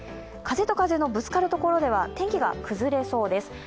風と風のぶつかる所では天気が崩れそうです。